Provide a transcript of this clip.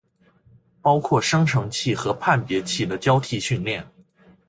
包括生成器和判别器的交替训练